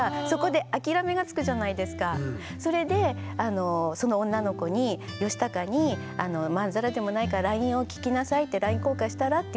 それでその女の子にヨシタカにまんざらでもないからＬＩＮＥを聞きなさいってＬＩＮＥ交換したらって言ったんですよ。